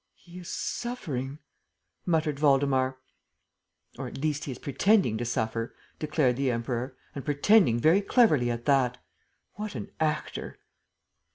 "He is suffering," muttered Waldemar. "Or at least, he is pretending to suffer," declared the Emperor, "and pretending very cleverly at that. What an actor!"